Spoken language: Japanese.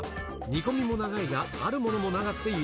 煮込みも長いが、あるものも長い。